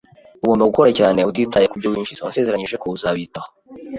Ugomba gukora cyane utitaye kubyo winjiza. Wansezeranije ko uzabitaho.